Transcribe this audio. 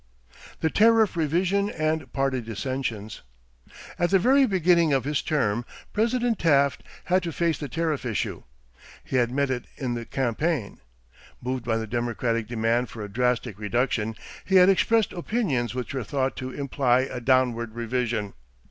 =The Tariff Revision and Party Dissensions.= At the very beginning of his term, President Taft had to face the tariff issue. He had met it in the campaign. Moved by the Democratic demand for a drastic reduction, he had expressed opinions which were thought to imply a "downward revision."